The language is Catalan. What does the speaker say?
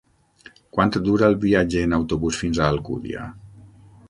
Quant dura el viatge en autobús fins a Alcúdia?